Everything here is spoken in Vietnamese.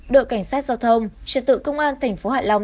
đội cảnh sát giao thông trật tự công an thành phố hạ long